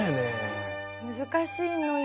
難しいのよ。